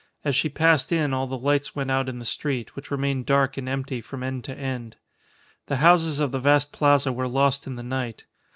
As she passed in all the lights went out in the street, which remained dark and empty from end to end. The houses of the vast Plaza were lost in the night.